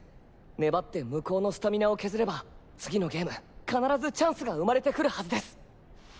粘って向こうのスタミナを削れば次のゲーム必ずチャンスが生まれてくるはずです！